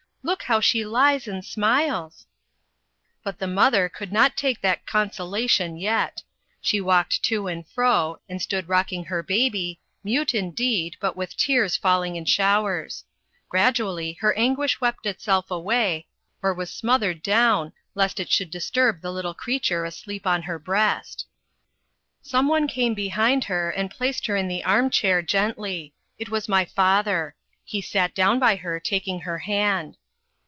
Look, how she lies and smiles." But the mother could not take that consolation yet. She walked to and fro, and stood rocking her baby, mute indeed, but with tears falling in showers. Gradually her anguish wept itself away, or was smothered down, lest it should disturb the little creature asleep on her breast. Some one came behind her, and placed her in the arm chair, gently. It was my father. He sat down by her, taking her hand.